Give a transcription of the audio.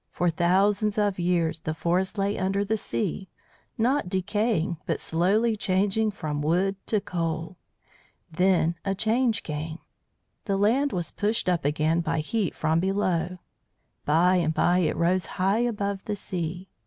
For thousands of years the forest lay under the sea, not decaying, but slowly changing from wood to coal. Then a change came. The land was pushed up again by heat from below; by and by it rose high above the sea.